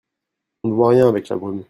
On ne voit rien avec la brume.